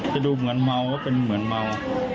จะดูเหมือนเมาก็เป็นเหมือนเมา